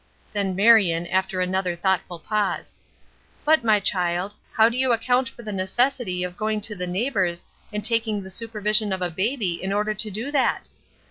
Then Marion, after another thoughtful pause: "But, my child, how do you account for the necessity of going to the neighbors and taking the supervision of a baby in order to do that?